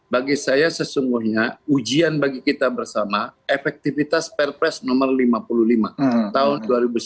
bagi saya sesungguhnya ujian bagi kita bersama efektivitas perpres nomor lima puluh lima tahun dua ribu sembilan belas